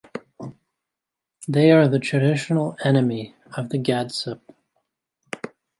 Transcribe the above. They are the traditional enemy of the Gadsup.